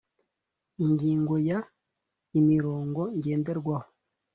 Ingingo ya imirongo ngenderwaho